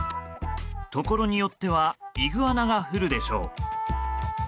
ところによってはイグアナが降るでしょう。